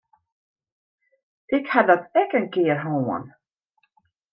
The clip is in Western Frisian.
Ik ha dat ek in kear hân.